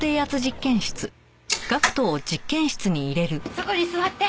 そこに座って。